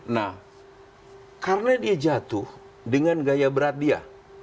nah karena dia jatuh dengan gaya berat dia